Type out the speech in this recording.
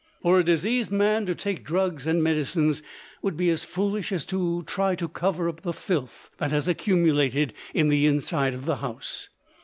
For a diseased man to take drugs and medicines would be as foolish as to try to cover up the filth that has accumulated in the inside of the house.